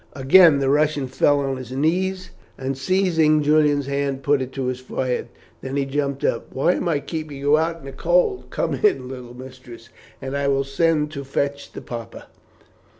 Again the Russian fell on his knees, and seizing Julian's hand, put it to his forehead. Then he jumped up, "Why am I keeping you out in the cold?" he said. "Come in, little mistress, and I will send to fetch the papa."